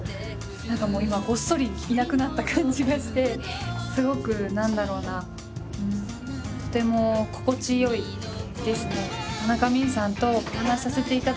何か今ごっそりいなくなった感じがしてすごく何だろうなとても心地良いですね。